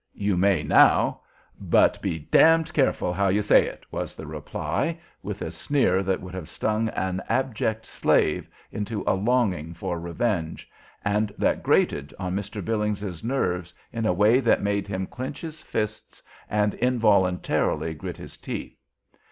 "You may now; but be d d careful how you say it," was the reply, with a sneer that would have stung an abject slave into a longing for revenge, and that grated on Mr. Billings's nerves in a way that made him clinch his fists and involuntarily grit his teeth.